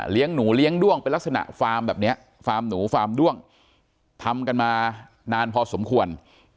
หนูเลี้ยงด้วงเป็นลักษณะฟาร์มแบบนี้ฟาร์มหนูฟาร์มด้วงทำกันมานานพอสมควร